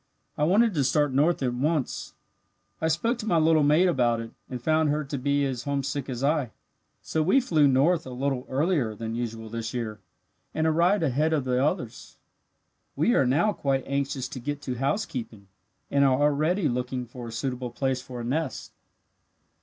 I wanted to start north at once. "I spoke to my little mate about it, and found her to be as homesick as I. So we flew north a little earlier than usual this year, and arrived ahead of the others. We are now quite anxious to get to housekeeping, and are already looking for a suitable place for a nest."